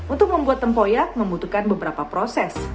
untuk membuat tempoyak membutuhkan beberapa proses